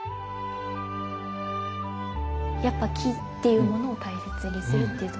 やっぱ木っていうものを大切にするっていうところですか？